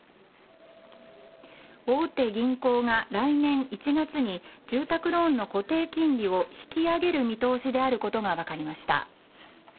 大手銀行が来年１月に住宅ローンの固定金利を引き上げる見通しであることが分かりました。